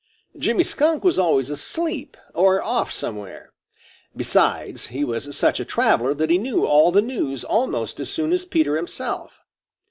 Jimmy Skunk was always asleep or off somewhere. Besides, he was such a traveler that he knew all the news almost as soon as Peter himself.